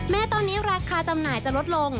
แม้ตอนนี้ราคาจำหน่ายจะลดลง